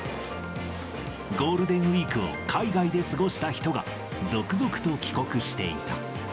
ゴールデンウィークを海外で過ごした人が、続々と帰国していた。